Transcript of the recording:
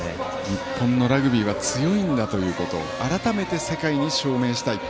日本のラグビーは強いんだということを改めて世界に証明したい。